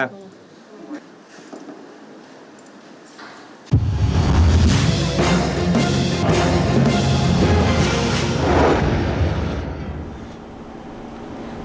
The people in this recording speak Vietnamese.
thưa quý vị